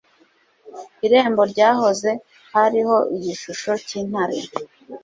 Irembo ryahoze hariho igishusho cy'intare.